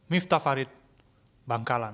miftah farid bangkalan